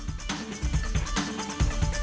kpu mas pram